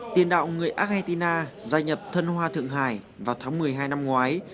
tiền đạo người argentina gia nhập thân hoa thượng hải vào tháng một mươi hai năm ngoái